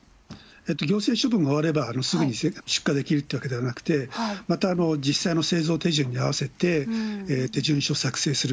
行政処分が終わればすぐに出荷できるというわけではなくて、また実際の製造手順に合わせて、手順書作成する。